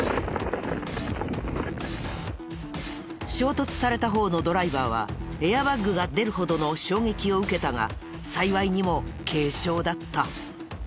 衝突された方のドライバーはエアバッグが出るほどの衝撃を受けたが幸いにも軽傷だった。